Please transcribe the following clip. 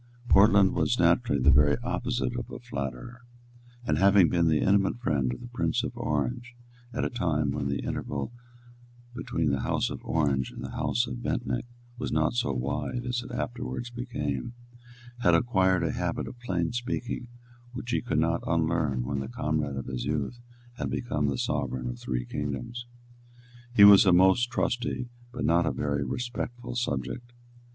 Portland was naturally the very opposite of a flatterer, and, having been the intimate friend of the Prince of Orange at a time when the interval between the House of Orange and the House of Bentinck was not so wide as it afterwards became, had acquired a habit of plain speaking which he could not unlearn when the comrade of his youth had become the sovereign of three kingdoms. He was a most trusty, but not a very respectful, subject.